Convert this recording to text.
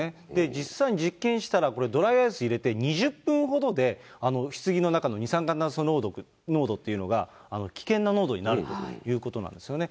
実際に実験したら、これ、ドライアイス入れて２０分ほどで、ひつぎの中の二酸化炭素濃度っていうのが、危険な濃度になるということなんですよね。